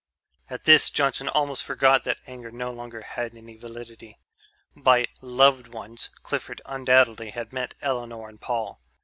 At this Johnson almost forgot that anger no longer had any validity. By "loved ones" Clifford undoubtedly had meant Elinor and Paul.